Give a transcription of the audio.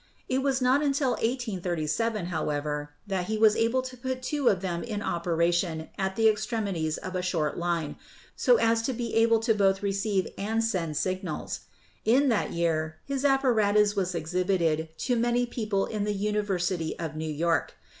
It was not until 1837, however, that he was able to put two of them in operation at the extremities of a short line, so as to be able to both receive and send sig nals. In that year his apparatus was exhibited to many people in the University of New York.